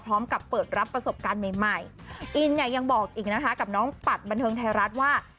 พร้อมกับเปิดรับประสบการณ์ใหม่ใหม่อินเนี่ยยังบอกอีกนะคะกับน้องปัดบันเทิงไทยรัฐว่า